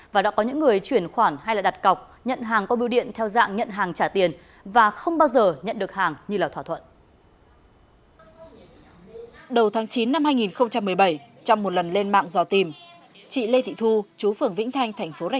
và được bưu điện giao hàng đến tận nhà